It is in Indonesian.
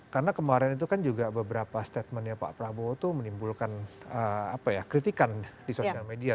karena kemarin itu kan juga beberapa statementnya pak prabowo itu menimbulkan kritikan di sosial media